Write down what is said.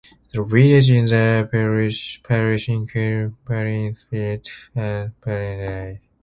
The villages in the parish include Ballinspittle and Ballinadee.